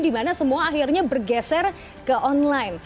dimana semua akhirnya bergeser ke online